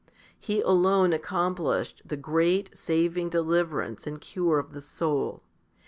He alone accomplished the great, saving deliverance and cure of the soul.